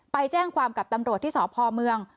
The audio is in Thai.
ไปแจ้งความกับตำรวจที่สพเมือง